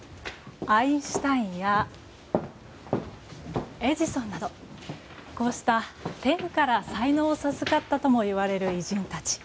アインシュタインやエジソンなどこうした、天から才能を授かったともいわれる偉人達。